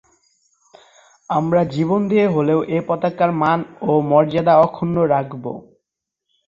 আমরা জীবন দিয়ে হলেও এ পতাকার মান ও মর্যাদা অক্ষুন্ন রাখব।।